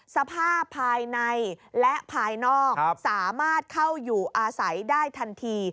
สภาพภายในและภายนอกสามารถเข้าอยู่อาศัยได้ทันที